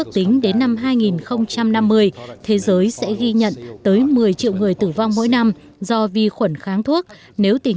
hình thế giới sẽ ghi nhận tới một mươi triệu người tử vong mỗi năm do vi khuẩn kháng thuốc nếu tình